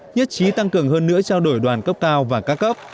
nhất trí tăng cường hơn nữa trao đổi đoàn cấp cao và các cấp